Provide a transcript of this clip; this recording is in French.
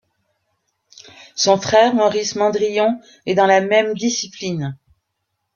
Son frère Maurice Mandrillon est dans la même discipline.